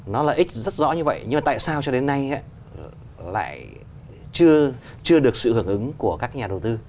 nó lợi ích rất rõ như vậy nhưng mà tại sao cho đến nay lại chưa được sự hưởng ứng của các nhà đầu tư